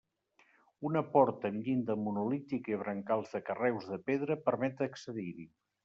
Una porta amb llinda monolítica i brancals de carreus de pedra permet accedir-hi.